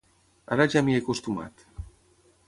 Ara ja m'hi he acostumat.